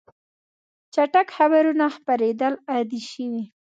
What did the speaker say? چټک خبرونه خپرېدل عادي شوي.